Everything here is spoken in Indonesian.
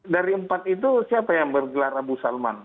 dari empat itu siapa yang bergelar abu salman